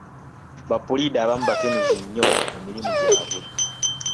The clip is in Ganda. Ba puliida abamu bakenenuzi nnyo mu mirimu gyabwe.